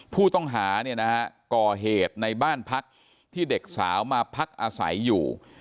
ผู้ต้องหาก่อเหตุในบ้านพักที่เด็กสาวมาพักอาศัยอยู่